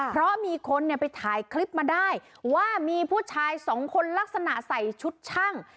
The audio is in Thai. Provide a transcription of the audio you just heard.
เพราะมีคนเนี่ยไปถ่ายคลิปมาได้ว่ามีผู้ชายสองคนลักษณะใส่ชุดช่าง